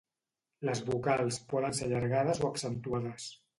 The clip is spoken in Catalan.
Les vocals poden ser allargades o accentuades.